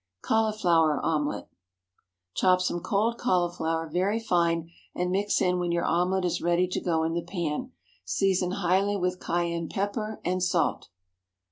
CAULIFLOWER OMELETTE. Chop some cold cauliflower very fine, and mix in when your omelette is ready to go into the pan. Season highly with cayenne pepper and salt.